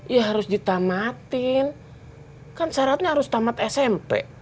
ya harus ditamatin kan syaratnya harus tamat smp